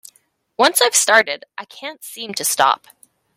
Once I've started, I can't seem to stop.